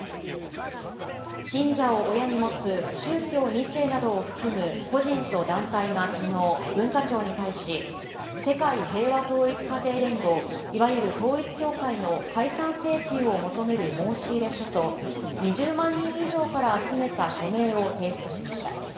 信者を親に持つ宗教２世などを含む個人と団体がきのう、文化庁に対し、世界平和統一家庭連合、いわゆる統一教会の解散請求を求める申し入れ書と、２０万人以上から集めた署名を提出しました。